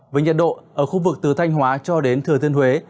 với nhiệt độ ở khu vực từ thanh hóa cho đến thừa thiên huế